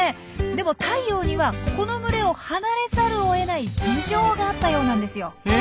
でもタイヨウにはこの群れを離れざるをえない事情があったようなんですよ。え？